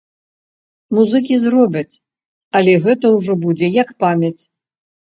Музыкі зробяць, але гэта ўжо будзе як памяць.